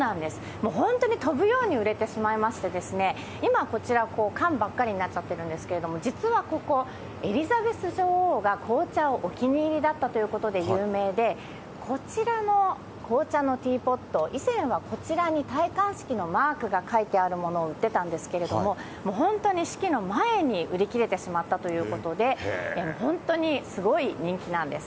もう本当に飛ぶように売れてしまいまして、今、こちら缶ばっかりになっちゃってるんですけど、実はここ、エリザベス女王が紅茶をお気に入りだったということで有名で、こちらの紅茶のティーポット、以前はこちらに戴冠式のマークが描いてあるものを売ってたんですけれども、本当に式の前に売り切れてしまったということで、本当にすごい人気なんです。